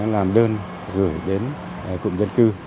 làm đơn gửi đến cụm dân cư